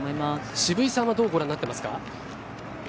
渋井さんはどうご覧になってますか？